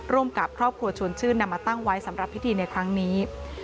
กับครอบครัวชวนชื่นนำมาตั้งไว้สำหรับพิธีในครั้งนี้